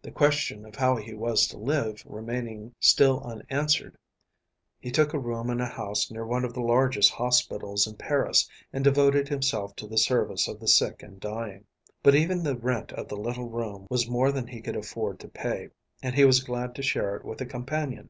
The question of how he was to live remaining still unanswered, he took a room in a house near one of the largest hospitals in Paris and devoted himself to the service of the sick and dying. But even the rent of the little room was more than he could afford to pay, and he was glad to share it with a companion.